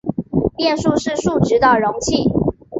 变数是数值的容器。